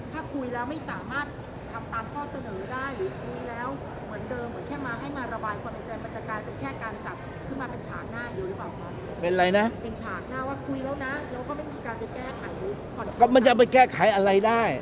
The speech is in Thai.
ว่าคุยแล้วนะแล้วก็ไม่มีการจะแก้ไขมันจะไปแก้ไขอะไรได้